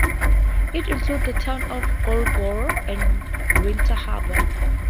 It includes the towns of Gouldsboro and Winter Harbor.